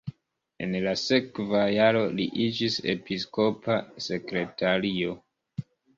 En la sekva jaro li iĝis episkopa sekretario.